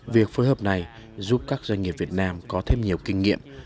việc phối hợp này giúp các doanh nghiệp việt nam có thêm nhiều kinh nghiệm